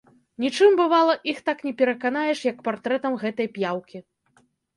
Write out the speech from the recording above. Нічым, бывала, іх так не пераканаеш, як партрэтам гэтай п'яўкі.